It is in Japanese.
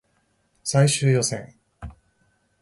最終予選